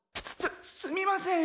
すすみません。